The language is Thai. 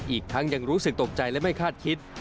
อีกทั้งยังรู้สึกตกใจและไม่คาดคิด